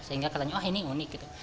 sehingga katanya wah ini unik gitu